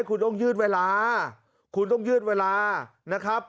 คุณต้องยืดเวลาคุณต้องยืดเวลานะครับ